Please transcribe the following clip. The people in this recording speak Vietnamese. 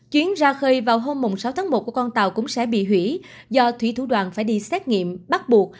chuyến ra khơi vào hôm sáu tháng một của con tàu cũng sẽ bị hủy do thủy thủ đoàn phải đi xét nghiệm bắt buộc